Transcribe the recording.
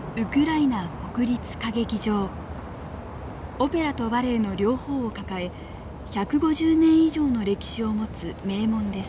オペラとバレエの両方を抱え１５０年以上の歴史を持つ名門です。